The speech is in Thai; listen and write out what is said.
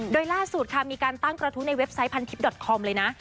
โดยล่าสุดค่ะมีการตั้งกระทู้ในเว็บไซต์พันทิพยอดคอมเลยนะ